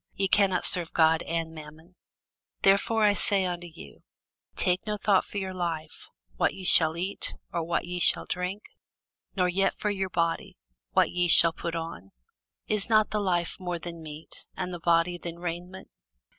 Ye cannot serve God and mammon. Therefore I say unto you, Take no thought for your life, what ye shall eat, or what ye shall drink; nor yet for your body, what ye shall put on. Is not the life more than meat, and the body than raiment?